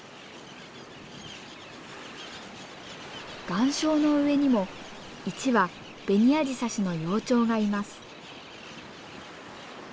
岩礁の上にも１羽ベニアジサシの幼鳥がいます。